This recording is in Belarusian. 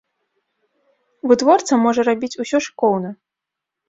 Вытворца можа рабіць усё шыкоўна.